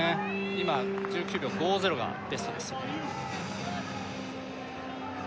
今１９秒５０がベストなんですよね